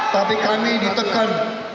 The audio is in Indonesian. tapi kami ditekan